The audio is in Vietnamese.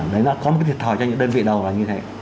đấy là có một cái thiệt thòi cho những đơn vị nào là như thế